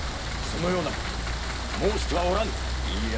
そのような事申してはおらぬ。